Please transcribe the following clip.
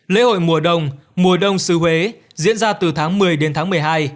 lễ hội mùa đông mùa đông xứ huế diễn ra từ tháng một mươi đến tháng một mươi hai